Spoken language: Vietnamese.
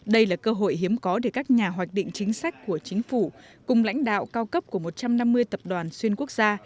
đây là cơ hội hiếm có để các nhà hoạch định chính sách của chính phủ cùng lãnh đạo cao cấp của một trăm năm mươi tập đoàn xuyên quốc gia